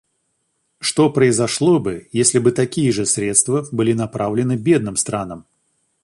Что произошло бы, если бы такие же средства были направлены бедным странам?